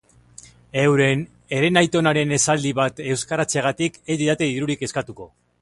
Euren herenaitonaren esaldi bat euskaratzeagatik ez didate dirurik eskatuko.